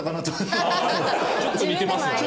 ちょっと似てますよね。